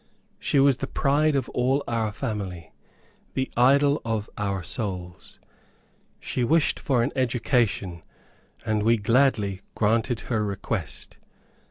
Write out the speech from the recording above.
She was the pride of all our family, the idol of our souls. She wished for an education, and we gladly granted her request.